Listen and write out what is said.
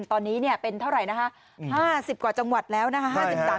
ตอนนี้เป็นเท่าไหร่นะคะ๕๐กว่าจังหวัดแล้วนะคะ